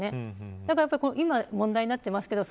だから今問題になっていますけど。